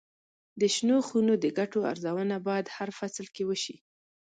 د شنو خونو د ګټو ارزونه باید هر فصل کې وشي.